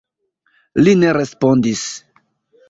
Li ne respondis.